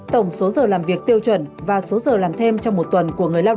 tổng số giờ làm việc tiêu chuẩn và số giờ làm thêm trong một tuần của người lao động